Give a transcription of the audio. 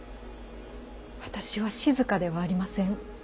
私は静ではありません。